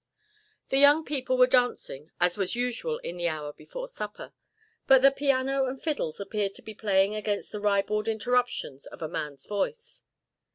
The young people were dancing, as was usual in the hour before supper, but the piano and fiddles appeared to be playing against the ribald interruptions of a man's voice.